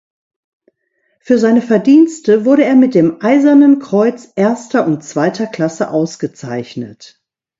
Für seine Verdienste wurde er mit dem Eisernen Kreuz Erster und Zweiter Klasse ausgezeichnet.